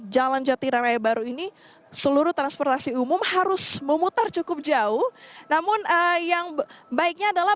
jalan jati raya baru ini seluruh transportasi umum harus memutar cukup jauh namun yang baiknya adalah